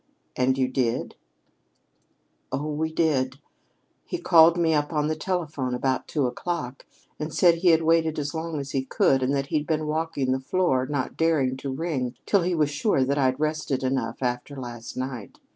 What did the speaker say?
"And you did?" "Oh, we did. He called me up on the telephone about two o'clock, and said he had waited as long as he could, and that he'd been walking the floor, not daring to ring till he was sure that I'd rested enough after last night.